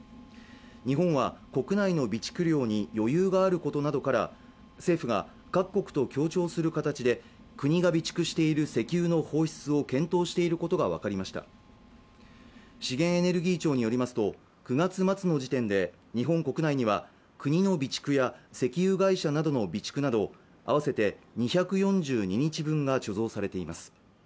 日本は国内の備蓄量に余裕があることなどから政府が各国と協調する形で国が備蓄している石油の放出を検討していることが分かりました資源エネルギー庁によりますと９月末の時点で日本国内には国の備蓄や石油会社などの備蓄など合わせて２４２日分が貯蔵されています